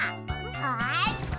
よし！